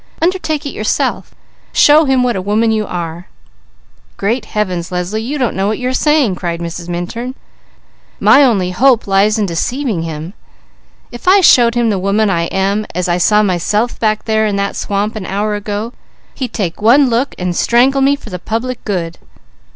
Undertake it yourself. Show him what a woman you are." "Great Heavens, Leslie, you don't know what you are saying!" cried Mrs. Minturn. "My only hope lies in deceiving him. If I showed him the woman I am, as I saw myself back there in that swamp an hour ago, he'd take one look, and strangle me for the public good."